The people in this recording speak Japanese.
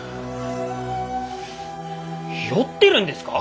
酔ってるんですか！？